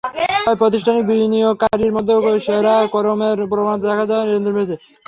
তবে প্রাতিষ্ঠানিক বিনিয়োগকারীদের মধ্যে শেয়ার ক্রয়ের প্রবণতা দেখা যাওয়ায় লেনদেন বেড়েছে।